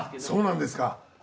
そうなんですか。